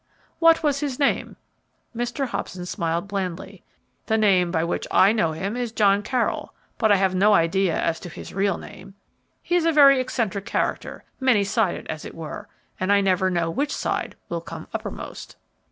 "What was his name?" Mr. Hobson smiled blandly. "The name by which I know him is John Carroll, but I have no idea as to his real name. He is a very eccentric character, many sided as it were, and I never know which side will come uppermost."